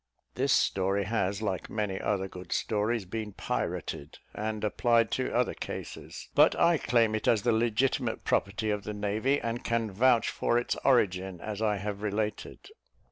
This story has, like many other good stories, been pirated, and applied to other cases; but I claim it as the legitimate property of the navy, and can vouch for its origin as I have related.